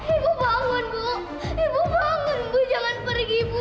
ibu bangun bu jangan pergi ibu